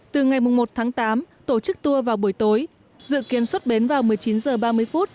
từ ngày một tháng tám tổ chức tour vào buổi tối dự kiến xuất bến vào một mươi chín h ba mươi